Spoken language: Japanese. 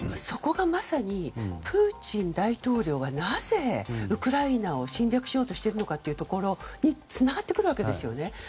そこがまさにプーチン大統領がなぜウクライナを侵略しようとしているのかにつながってくるわけですね。